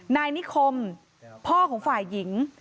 นายนิคมพ่อของฝ่ายหญิง